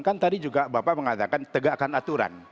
kan tadi juga bapak mengatakan tegakkan aturan